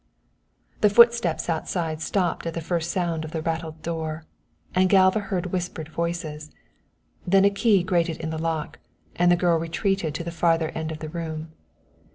The footsteps outside stopped at the first sound of the rattled door, and Galva heard whispered voices. Then a key grated in the lock, and the girl retreated to the farther end of the room.